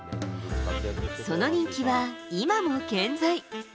その人気は、今も健在。